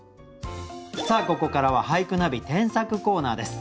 さあここからは「俳句ナビ添削コーナー」です。